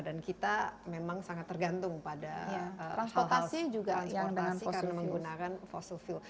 dan kita memang sangat tergantung pada hal hal transportasi karena menggunakan fossil fuel